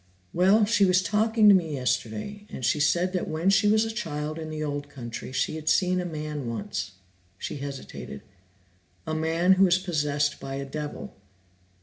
"Well, she was talking to me yesterday, and she said that when she was a child in the old country, she had seen a man once " she hesitated "a man who was possessed by a devil.